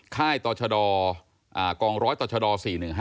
ค่ายต่อชะดอร์กองร้อยต่อชะดอร์๔๑๕